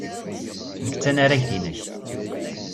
Nekk d tanaragt-nnek.